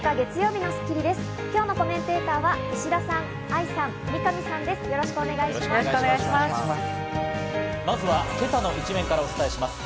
今日のコメンテーターの皆さんです。